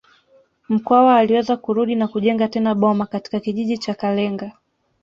Mkwawa aliweza kurudi na kujenga tena boma katika kijiji cha Kalenga